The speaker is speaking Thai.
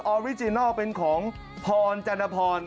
อริจินัลเป็นของพรจันทพร